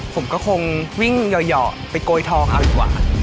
ผมก็คงวิ่งหย่อไปโกยทองเอาดีกว่า